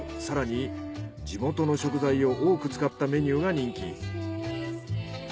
更に地元の食材を多く使ったメニューが人気。